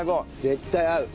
絶対合う。